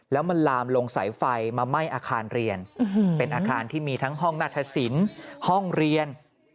แล้วมันลามลงสายไฟมาไหม้อาคารเรียนเป็นอาคารที่มีทั้งห้องนาธศิลป์ห้องเรียน